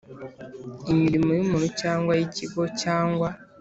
imirimo y umuntu cyangwa y ikigo cyangwa